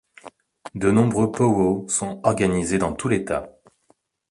De nombreux pow-wow sont organisés dans tout l'État.